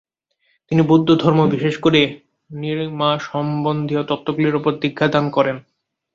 তিনি বৌদ্ধধর্ম বিশেষ করে র্ন্যিং-মা সম্বন্ধীয় তত্ত্বগুলির ওপর শিক্ষাদান করেন।